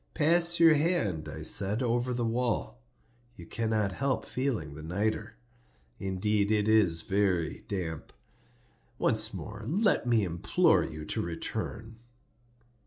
"Pass your hand," I said, "over the wall; you cannot help feeling the nitre. Indeed it is very damp. Once more let me implore you to return.